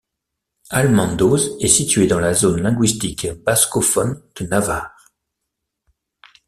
Almandoz est situé dans la zone linguistique bascophone de Navarre.